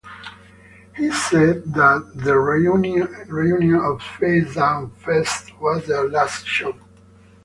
He said that the reunion at Facedown Fest was their last show.